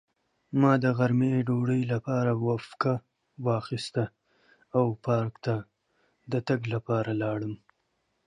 ما د غرمې ډوډۍ لپاره وقفه واخیسته او پارک ته د تګ لپاره لاړم.